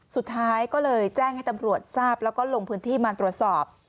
สุดท้ายก็เลยแจ้งให้ตำรวจทราบแล้วก็ลงพื้นที่มาตรวจสอบ